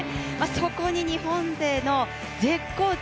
そこに日本勢の絶好調